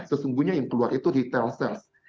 sesungguhnya yang keluar itu retail search